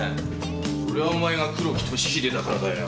それはお前が黒木俊英だからだよ。